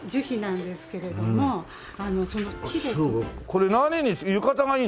これ何に浴衣がいいの？